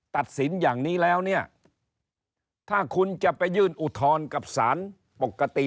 ตัดสินอย่างนี้แล้วเนี่ยถ้าคุณจะไปยื่นอุทธรณ์กับสารปกติ